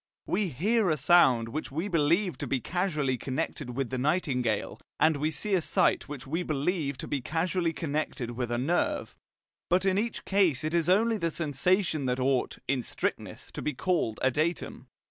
We hear a sound which we believe to be causally connected with the nightingale, and we see a sight which we believe to be causally connected with a nerve. But in each case it is only the sensation that ought, in strictness, to be called a datum.